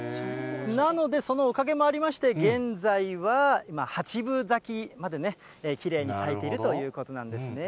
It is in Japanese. なので、そのおかげもありまして、現在は８分咲きまできれいに咲いているということなんですね。